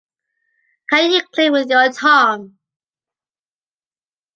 Can you click with your tongue?